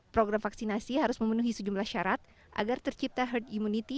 program vaksinasi harus memenuhi sejumlah syarat agar tercipta herd immunity